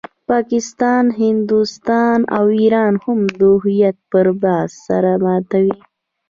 پاکستان، هندوستان او ایران هم د هویت پر بحث سر ماتوي.